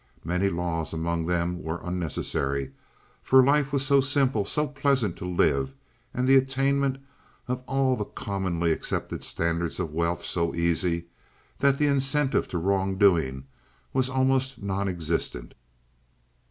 Many laws among them were unnecessary, for life was so simple, so pleasant to live, and the attainment of all the commonly accepted standards of wealth so easy, that the incentive to wrongdoing was almost non existent.